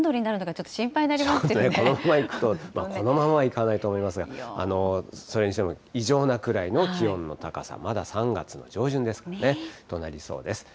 ちょっとこのくらいいくと、このままはいかないと思いますが、それにしても、異常なくらいの気温の高さ、まだ３月の上旬ですからね、となりそうです。